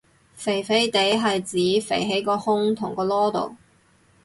肥肥哋係指肥喺個胸同個籮度